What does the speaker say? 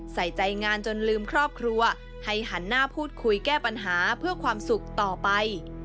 ใส่ใจงานจนลืมครอบครัวให้หันหน้าพูดคุยแก้ปัญหาเพื่อความสุขต่อไป